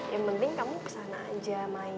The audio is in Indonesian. yang penting kamu kesana aja main